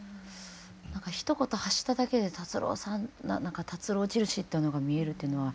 なんかひと言発しただけで達郎さん何だか「達郎印」っていうのが見えるっていうのは。